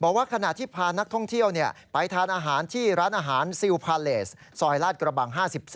ขณะที่พานักท่องเที่ยวไปทานอาหารที่ร้านอาหารซิลพาเลสซอยลาดกระบัง๕๒